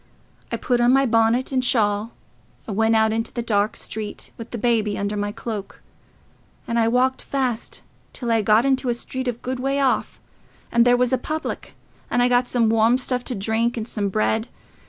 I put on my bonnet and shawl, and went out into the dark street, with the baby under my cloak; and I walked fast till I got into a street a good way off, and there was a public, and I got some warm stuff to drink and some bread.